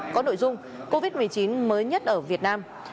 có nội dung covid một mươi chín mới nhất ở việt nam